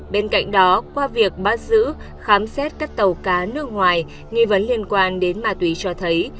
bên cạnh đó qua việc bắt giữ khám xét các tàu cá nước ngoài nghi vấn liên quan đến ma túy cho thấy